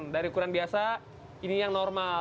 dari ukuran biasa ini yang normal